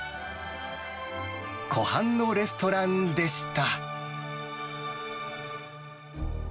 湖畔のレストランでした。